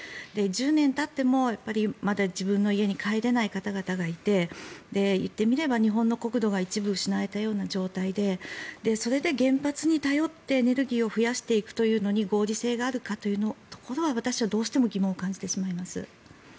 １０年たってもまだ自分の家に帰れな方々がいて言ってみれば、日本の国土が一部失われたような状態でそれで原発に頼ってエネルギーを増やしていくというのに合理性があるのかというところに私はどうしても疑問を感じてしまいます。